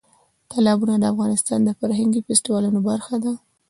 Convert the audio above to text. تالابونه د افغانستان د فرهنګي فستیوالونو برخه ده.